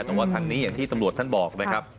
แต่ว่าทางนี้อย่างที่ตำรวจท่านบอกนะครับ